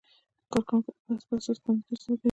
کارکوونکي د بست په اساس دنده ترسره کوي.